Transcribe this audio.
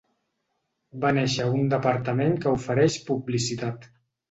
Va néixer un departament que ofereix publicitat.